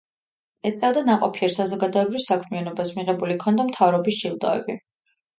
ეწეოდა ნაყოფიერ საზოგადოებრივ საქმიანობას, მიღებული ჰქონდა მთავრობის ჯილდოები.